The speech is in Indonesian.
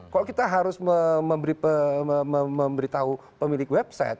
kalau kita harus memberitahu pemilik website